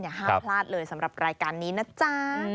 ห้ามพลาดเลยสำหรับรายการนี้นะจ๊ะ